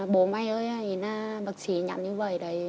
bố may ơi bác sĩ nhận như vậy đấy